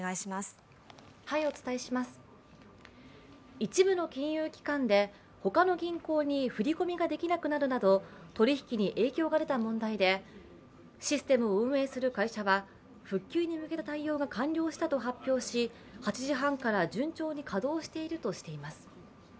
一部の金融機関で他の銀行に振り込みができなくなるなど取り引きに影響が出た問題でシステムを運営する会社は復旧に向けた対応が完了したと発表し、８時半から順調に稼働しているとしています。